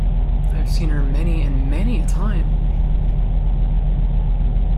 I have seen her many and many a time!